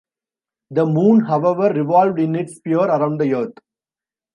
The Moon, however, revolved in its sphere around the Earth.